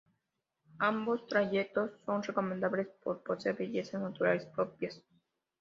Ambos trayectos son recomendables por poseer bellezas naturales propias.